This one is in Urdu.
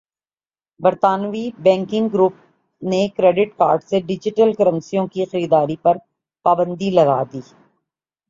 برطانوی بینکنگ گروپ نے کریڈٹ کارڈ سے ڈیجیٹل کرنسیوں کی خریداری پرپابندی لگادی